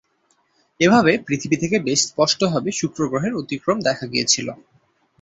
এভাবে পৃথিবী থেকে বেশ স্পষ্টভাবে শুক্র গ্রহের অতিক্রম দেখা গিয়েছিল।